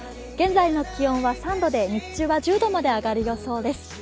現在の気温は３度で、日中は１０度まで上がる予想です。